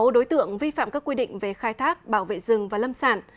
sáu đối tượng vi phạm các quy định về khai thác bảo vệ rừng và lâm sản